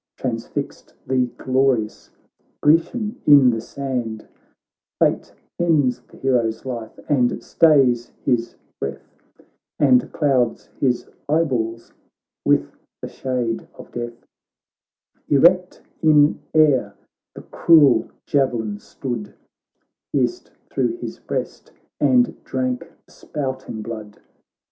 Transfixed the glorious Grecian in the sand ; Fate ends the hero's life, and stays his breath, And clouds his eyeballs with the shade of death : Erect in air the cruel javelin stood, Pierced thro' his breast, and drank the spouting blood.